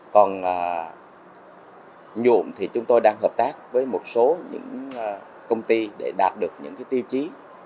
còn nhuộm thì chúng tôi đang hợp tác với một số những công ty để đạt được những tiêu chí